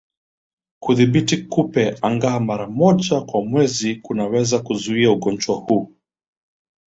Kudhibiti kupe angaa mara moja kwa mwezi kunaweza kuzuia ugonjwa huu